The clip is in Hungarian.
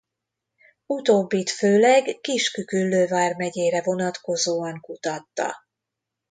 Utóbbit főleg Kis-küküllő vármegyére vonatkozóan kutatta.